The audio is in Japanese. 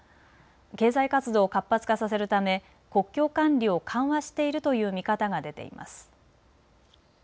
経済活動を活発化させるため国境管理を緩和しているという見方が出ています。